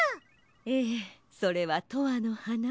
ええそれは「とわのはな」。